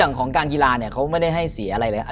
อย่างของการกีฬาเขาไม่ได้ให้เสียอะไรเลย